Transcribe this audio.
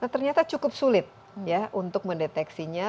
ternyata cukup sulit ya untuk mendeteksinya